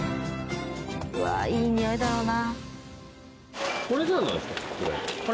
うわあいいにおいだろうな。